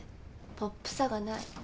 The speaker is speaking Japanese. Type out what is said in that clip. ポップさがない。